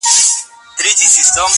له هر چا یې دی د عقل میدان وړی.!